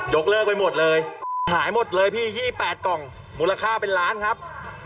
เลิกไปหมดเลยขายหมดเลยพี่๒๘กล่องมูลค่าเป็นล้านครับ